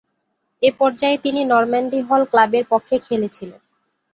এ পর্যায়ে তিনি Normandy Hall ক্লাবের পক্ষে খেলেছিলেন।